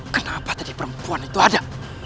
kenapa tadi perempuan itu ada